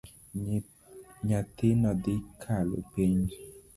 Nyathino dhi kalo penj.